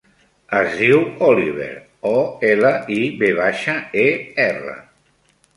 Es diu Oliver: o, ela, i, ve baixa, e, erra.